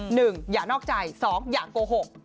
หนึ่งอย่านอกใจสองอย่าโกหก